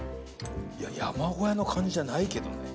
いや山小屋の感じじゃないけどね